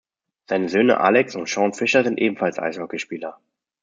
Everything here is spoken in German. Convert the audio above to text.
Seine Söhne Alex und Sean Fischer sind ebenfalls Eishockeyspieler.